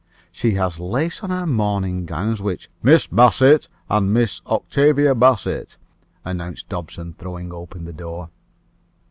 "She has lace on her morning gowns, which" "Miss Bassett and Miss Octavia Bassett," announced Dobson, throwing open the door.